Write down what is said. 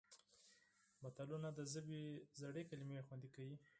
متلونه د ژبې زړې کلمې خوندي کوي